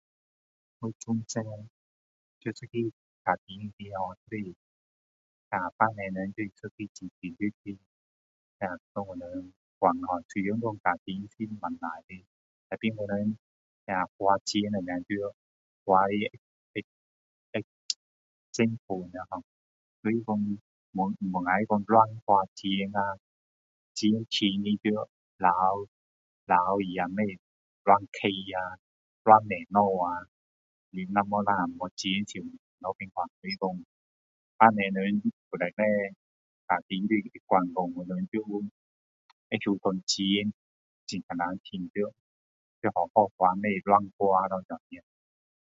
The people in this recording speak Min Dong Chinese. [unintelligible] 在一个家庭里面[har], 就是父母们就是一个很独立的，将我们管得[har],虽然说家庭是不错，tapi 我们花钱要花得，会，会正确的[har]。 [unintelligible] 所以说，不能够乱花钱呀。钱赚了也要留，留起呀，不可以乱花,乱买东西啊。你如果没有那钱时，那你怎么办法。所以说父母们旧时候管我们，就好像说钱艰难赚到，不可乱花这样咯！